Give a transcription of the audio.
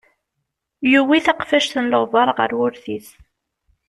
Yuwi taqfact n leɣbar ɣer wurti-s.